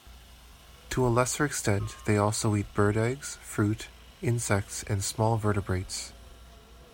To a lesser extent, they also eat bird eggs, fruit, insects, and small vertebrates.